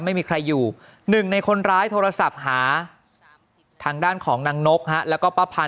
ไม่มีใครอยู่หนึ่งในคนร้ายโทรศัพท์หาทางด้านของนางนกแล้วก็ป้าพันธ